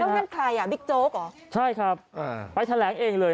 นั่นใครอ่ะบิ๊กโจ๊กเหรอใช่ครับอ่าไปแถลงเองเลย